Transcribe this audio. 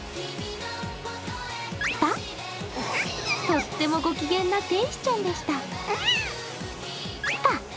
とってもご機嫌な天使ちゃんでした。